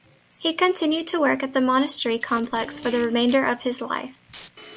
He continued to work at the monastery complex for the remainder of his life.